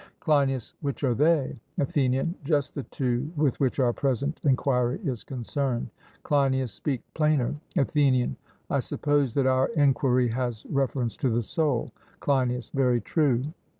CLEINIAS: Which are they? ATHENIAN: Just the two, with which our present enquiry is concerned. CLEINIAS: Speak plainer. ATHENIAN: I suppose that our enquiry has reference to the soul? CLEINIAS: Very true.